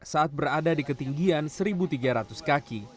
saat berada di ketinggian satu tiga ratus kaki